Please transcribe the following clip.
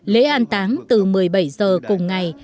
lễ an táng từ một mươi bảy giờ cùng ngày